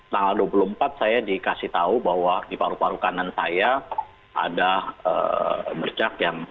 tanggal dua puluh empat saya dikasih tahu bahwa di paru paru kanan saya ada bercak yang